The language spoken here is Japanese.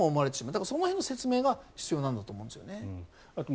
だから、その辺の説明が必要なんだと思うんですね。